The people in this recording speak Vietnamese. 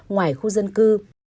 ngoài khu dân cư